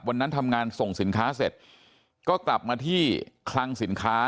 วันนั้นทำงานส่งสินค้าเสร็จก็กลับมาที่คลังสินค้า